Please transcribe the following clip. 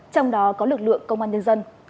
trong đó có lực lượng công an nhân dân